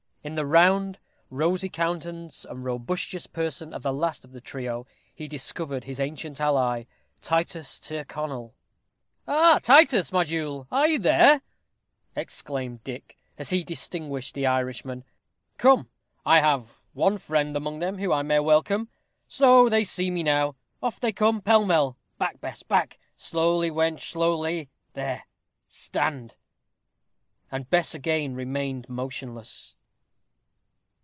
In the round, rosy countenance and robustious person of the last of the trio he discovered his ancient ally, Titus Tyrconnel. "Ah, Titus, my jewel, are you there?" exclaimed Dick, as he distinguished the Irishman. "Come, I have one friend among them whom I may welcome. So, they see me now. Off they come, pell mell. Back, Bess, back! slowly, wench, slowly there stand!" And Bess again remained motionless.